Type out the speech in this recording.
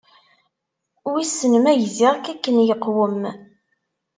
Wissen ma gziɣ-k akken yeqwem.